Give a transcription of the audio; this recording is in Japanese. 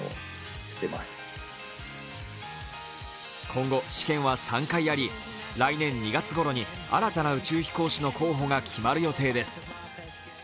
今後、試験は３回あり来年２月ごろに新たな宇宙飛行士の候補が決まる予定です。